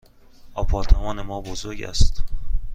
آپارتمان ما بزرگ است.